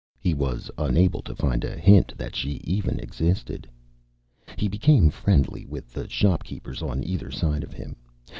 He was unable to find a hint that she even existed. He became friendly with the shopkeepers on either side of him.